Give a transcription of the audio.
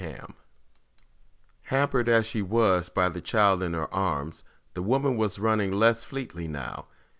Hamm Hampered as she was by the child in her arms, the woman was running less fleetly now.